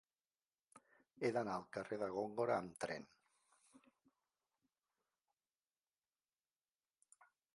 He d'anar al carrer de Góngora amb tren.